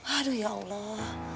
aduh ya allah